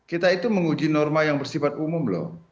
kita itu menguji norma yang bersifat umum loh